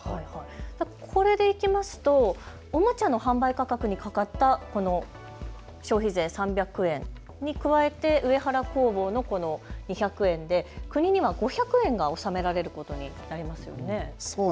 これでいきますとおもちゃの販売価格にかかった消費税３００円に加えて上原工房の２００円で国には５００円が納められることになりますよね。